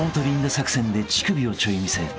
作戦で乳首をチョイ見せ］